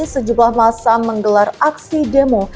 sejumlah masa menggelar aksi demo